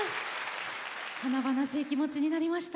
華々しい気持ちになりました。